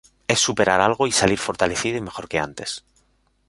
Es superar algo y salir fortalecido y mejor que antes.